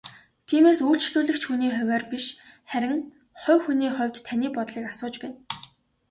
Тиймээс үйлчлэгч хүний хувиар биш харин хувь хүний хувьд таны бодлыг асууж байна.